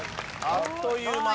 あっという間。